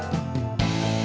ya aku gampang